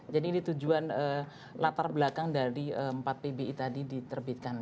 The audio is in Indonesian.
jadi ini tujuan latar belakang dari empat pbi tadi diterbitkan